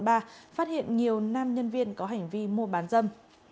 phát hiện nhiều nam nhân viên có hành vi mua bán dâm